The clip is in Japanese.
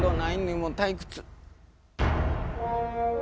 もう退屈。